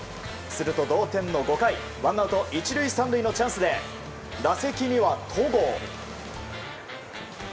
すると同点の５回ワンアウト１塁３塁のチャンスで打席には戸郷。